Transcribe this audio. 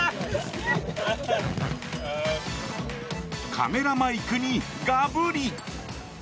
カメラマイクにガブリッ！